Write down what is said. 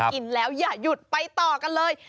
กินแล้วอย่าหยุดไปต่อกันเลย